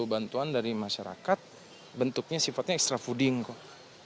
bantuan dari masyarakat bentuknya sifatnya extra fooding kok